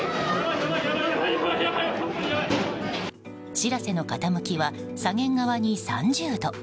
「しらせ」の傾きは左舷側に３０度。